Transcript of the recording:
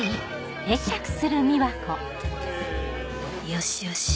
よしよし